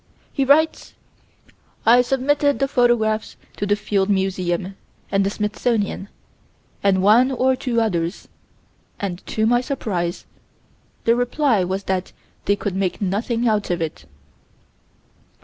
He writes: "I submitted the photographs to the Field Museum and the Smithsonian and one or two others, and, to my surprise, the reply was that they could make nothing out of it."